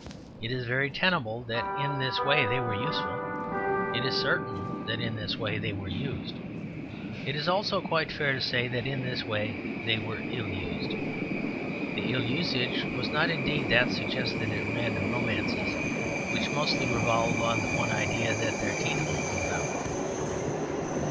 It is very tenable that in this way they were useful; it is certain that in this way they were used. It is also quite fair to say that in this way they were ill used. The ill usage was not indeed that suggested at random in romances, which mostly revolve on the one idea that their teeth were pulled out.